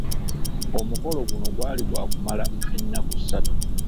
Omukolo guno gwali gwa kumala enaku satu.